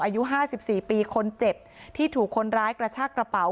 อายุ๕๔ปีคนเจ็บที่ถูกคนร้ายกระชากระเป๋า